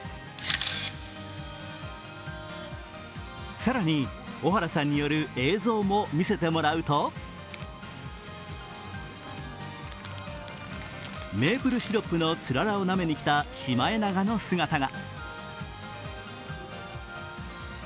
更に、小原さんによる映像も見せてもらうと、メープルシロップのつららをなめにきたシマエナガの姿が。